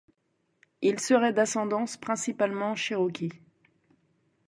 Il serait d'ascendance principalement cherokee.